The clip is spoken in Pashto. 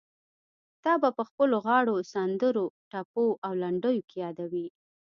تا به په خپلو غاړو، سندرو، ټپو او لنډيو کې يادوي.